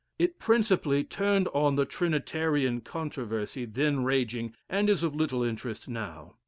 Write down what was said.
It principally turned on the Trinitarian controversy then raging, and is of little interest now.